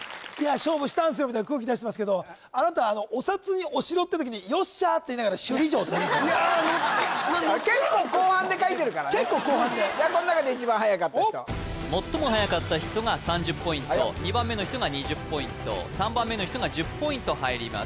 「勝負したんすよ」みたいな空気出してますけどあなたお札にお城って時に「よっしゃ」って言いながら「しゅりじょう」って結構後半で書いてるからね結構後半でこんなかで一番はやかった人最もはやかった人が３０ポイント２番目の人が２０ポイント３番目の人が１０ポイント入ります